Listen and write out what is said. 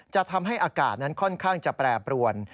จะทำให้อากาศนั้นค่อนข้างจะแปรปรวน